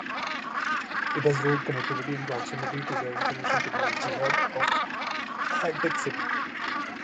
It has road connectivity and proximity to the Information Technology hub of Hitech city.